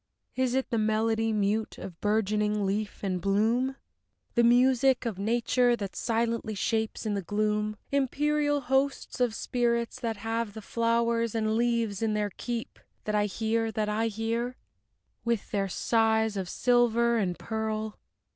Is it the melody mute of bourgeoning leaf and of bloom? The music of Nature, that silently shapes in the gloom Immaterial hosts Of spirits that have the flowers and leaves in their keep, That I hear, that I hear? With their sighs of silver and pearl?